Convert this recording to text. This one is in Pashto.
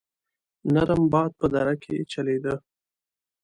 نرم باد په دره کې چلېده.